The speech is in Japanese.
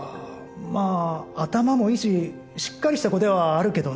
まあ頭もいいししっかりした子ではあるけどね。